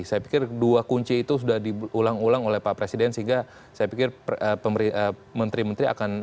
saya pikir dua kunci itu sudah diulang ulang oleh pak presiden sehingga saya pikir menteri menteri akan